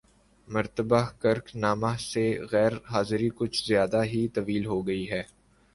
مرتبہ کرک نامہ سے غیر حاضری کچھ زیادہ ہی طویل ہوگئی ہے